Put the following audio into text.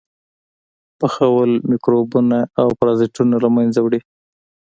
پخول میکروبونه او پرازیټونه له منځه وړي.